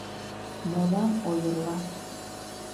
— Молан ойырлаш?